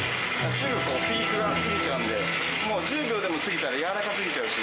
すぐピークが過ぎちゃうので、もう１０秒でも過ぎたら柔らか過ぎちゃうし。